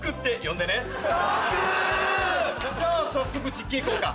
じゃあ早速実験いこうか。